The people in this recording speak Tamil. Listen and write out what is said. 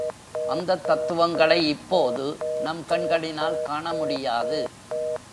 அந்தத் தத்துவங்களை இப்போது நம் கண்களினால் காண முடியாது.